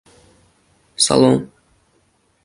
G‘alaba medali!